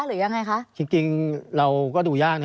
ขึ้นจริงเราก็ดูยากเนี่ย